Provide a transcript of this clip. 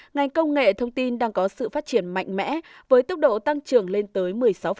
ngành công nghệ thông tin đang có sự phát triển mạnh mẽ với tốc độ tăng trưởng lên tới một mươi sáu